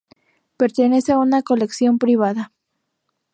Pertenece a una colección privada.